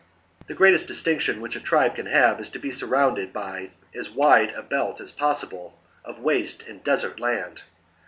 The greatest distinction which a tribe can have is to be surrounded by as wide a belt as possible of waste and desert land.